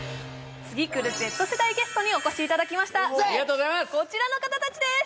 次くるＺ世代ゲストにお越しいただきましたありがとうございますこちらの方たちです